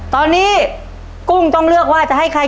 ตอนนี้กุ้งต้องเลือกว่าจะให้ใคร